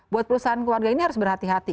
buat perusahaan keluarga ini harus berhati hati